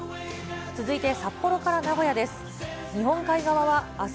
続いて札幌から名古屋です。